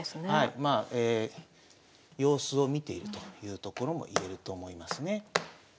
まあ様子を見ているというところもいえると思いますね。